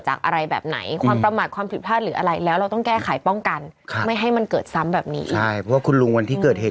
ใช่เพราะว่าคุณลุงวันที่เกิดเหตุ